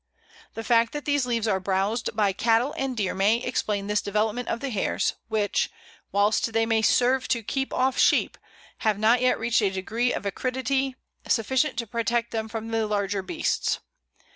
The fact that these leaves are browsed by cattle and deer may explain this development of the hairs, which, whilst they may serve to keep off sheep, have not yet reached a degree of acridity sufficient to protect them from the larger beasts.